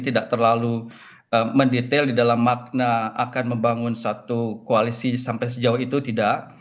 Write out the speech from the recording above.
tidak terlalu mendetail di dalam makna akan membangun satu koalisi sampai sejauh itu tidak